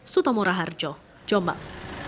sutomora harjo jombang